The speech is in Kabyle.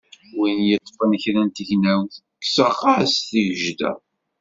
Win yeṭṭfen kra n tegnewt, kkseɣ-as tigejda.